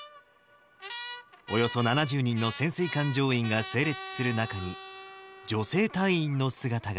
およそ７０人の潜水艦乗員が整列する中に、女性隊員の姿が。